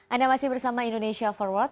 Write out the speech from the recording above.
anda masih bersama indonesia forward